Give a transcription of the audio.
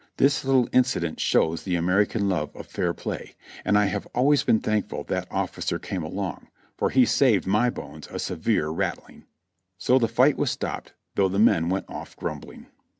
This little incident shows the American love of fair play, and I have always been thankful that officer came along, for he saved my bones a severe rattling. So the fight was stopped, though the men went off grumbling.